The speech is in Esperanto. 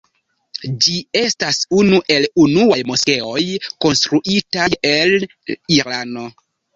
Ĝi estas unu el unuaj moskeoj konstruitaj en Irano.